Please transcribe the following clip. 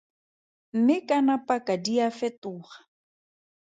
Mme kana paka di a fetoga.